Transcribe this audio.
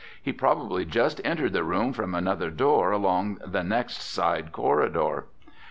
"He probably just entered the room from another door along the next side corridor."